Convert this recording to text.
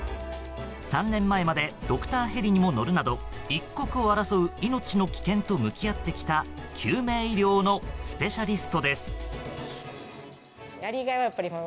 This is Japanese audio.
３年前までドクターヘリにも乗るなど一刻を争う命の危険と向き合ってきた救命医療のスペシャリストです。